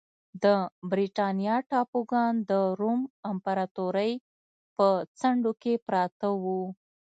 د برېټانیا ټاپوګان د روم امپراتورۍ په څنډو کې پراته وو